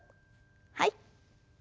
はい。